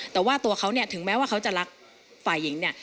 แต่ว่าตัวเขาเนี่ยถึงแม้ว่าเขาจะรักฝ่ายหญิงเนี่ย